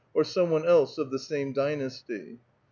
or some one else of the same dynasty.